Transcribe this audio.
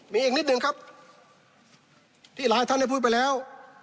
มีอีกนิดหนึ่งครับที่หลายท่านได้พูดไปแล้ว